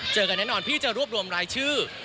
เจอกันแน่นอนพี่จะรวบรวมรายชื่อ